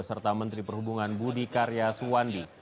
serta menteri perhubungan budi karya suwandi